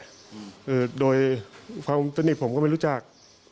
คือโดยความสนิทผมก็ไม่รู้จัก